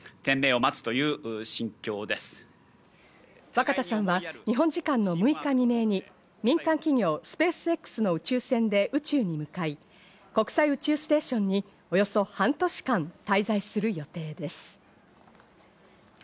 若田さんは日本時間の６日未明に民間企業スペースＸの宇宙船で宇宙に向かい、国際宇宙ステーションにおよそ半年間滞在する予定です。